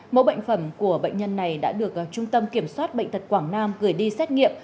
mẫu bệnh phẩm của bệnh nhân này đã được trung tâm kiểm soát bệnh tật quảng nam gửi đi xét nghiệm